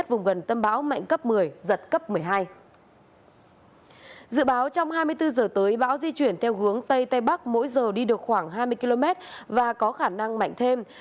dự báo trong hai mươi bốn h tới bão di chuyển theo hướng tây tây bắc mỗi giờ đi được khoảng hai mươi km và có khả năng mạnh thêm